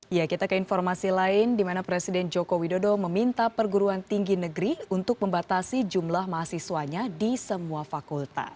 ya kita ke informasi lain di mana presiden joko widodo meminta perguruan tinggi negeri untuk membatasi jumlah mahasiswanya di semua fakultas